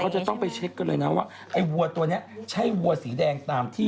จะต้องไปเช็คกันเลยนะว่าไอ้วัวตัวนี้ใช่วัวสีแดงตามที่